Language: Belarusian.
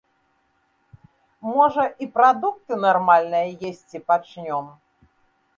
Можа, і прадукты нармальныя есці пачнём!